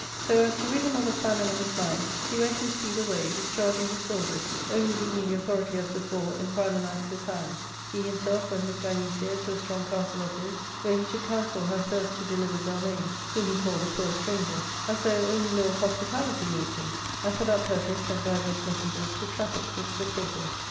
So as, to rid him of the famine of his mind, he went in speed away, discharging his soldiers, only leaving the authority, as before, in Philanax his hands ; he himself went with Gynecia to a strong castle of his, where he took counsel how first to deliver Zelmane, whom he called the poor stranger, as though only law of hospitality moved him, and for that purpose sent divers messengers to traffic with Cecropia.